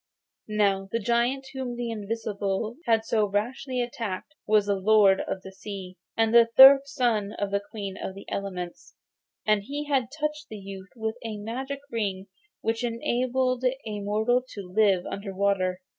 Now the giant whom the invisible had so rashly attacked was the Lord of the Sea, and the third son of the Queen of the Elements, and he had touched the youth with a magic ring which enabled a mortal to live under water.